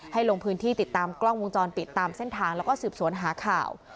ลงพื้นที่ติดตามกล้องวงจรปิดตามเส้นทางแล้วก็สืบสวนหาข่าว